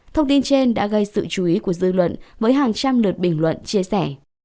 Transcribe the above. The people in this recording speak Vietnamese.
thông tin trên đã gây sự chú ý của dư luận với hàng trăm lượt bình luận chia sẻ